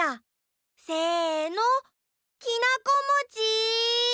せのきなこもち？